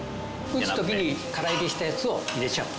打つ時にから煎りしたやつを入れちゃう。